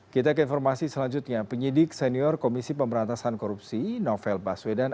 kita ke informasi selanjutnya penyidik senior komisi pemberantasan korupsi novel baswedan